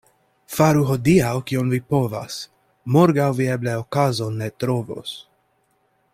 Faru hodiaŭ, kion vi povas — morgaŭ vi eble okazon ne trovos.